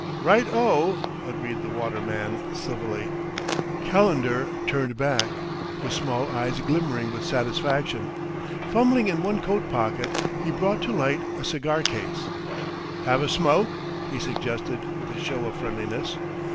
"Right o!" agreed the waterman civilly. Calendar turned back, his small eyes glimmering with satisfaction. Fumbling in one coat pocket he brought to light a cigar case. "Have a smoke?" he suggested with a show of friendliness.